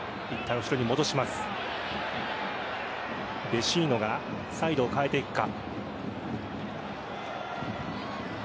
ヴェシーノがサイドを変えていくか。